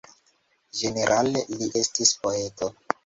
Ĝenerale li estis poeto.